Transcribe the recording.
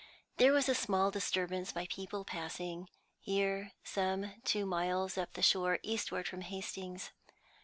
There was small disturbance by people passing, here some two miles up the shore eastward from Hastings.